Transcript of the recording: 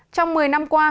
trong một mươi năm qua